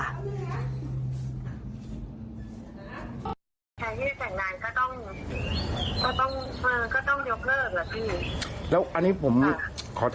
ใช้เที่ยวแสดงนานก็ต้องยกเลิกเหรอพี่